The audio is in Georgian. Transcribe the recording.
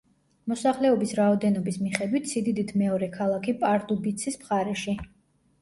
მოსახლეობის რაოდენობის მიხედვით სიდიდით მეორე ქალაქი პარდუბიცის მხარეში.